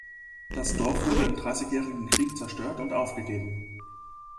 Das Dorf wurde im Dreißigjährigen Krieg zerstört und aufgegeben.